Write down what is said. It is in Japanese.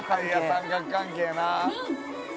「三角関係やな」